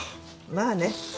まあね。